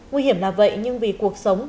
nguy hiểm là vậy nhưng vì cuộc sống